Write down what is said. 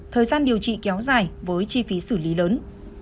thời gian điều trị kéo dài với chi phí xử lý lớn